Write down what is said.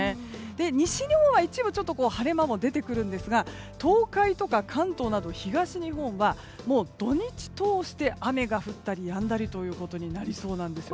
西日本は一部晴れ間も出てくるんですが東海とか関東など東日本は土日通して雨が降ったりやんだりとなりそうなんですね。